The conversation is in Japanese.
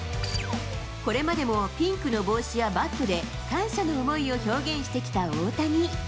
これまでもピンクの帽子やバットで、感謝の思いを表現してきた大谷。